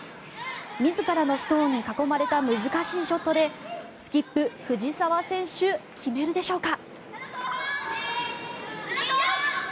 自らのストーンに囲まれた難しいショットでスキップ、藤澤選手決めるでしょうか。